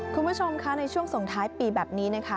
คุณผู้ชมค่ะในช่วงส่งท้ายปีแบบนี้นะคะ